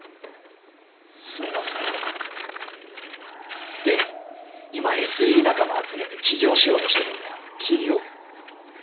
すみませんで今 ＳＥ 仲間集めて起業しようとしてるんだよ。起業？